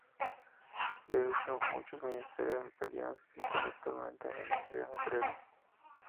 De hecho, muchos ministerios italianos se sitúan actualmente en el rione Trevi.